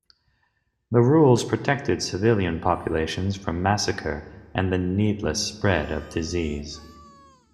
The rules protected civilian populations from massacre and the needless spread of disease.